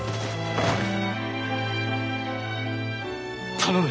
頼む！